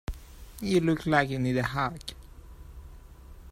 You look like you need a hug!.